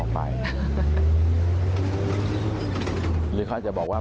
เผื่อเขาออกไป